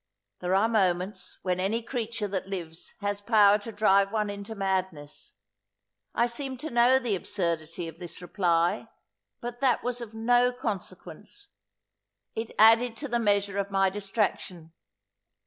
There are moments, when any creature that lives, has power to drive one into madness. I seemed to know the absurdity of this reply; but that was of no consequence. It added to the measure of my distraction.